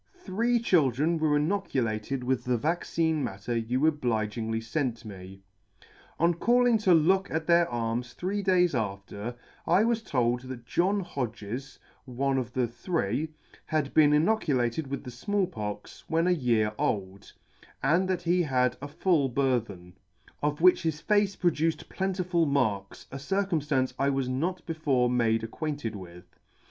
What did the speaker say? Three children were inoculated with the vaccine matter you obligingly fent me. On calling to look at their arms three days after, I was told that John Hodges, one of the three, had been inoculated with the Small Pox when a year old, and that he had a full burthen, of which his face produced plentiful marks, a circumflance I was not before made acquainted with.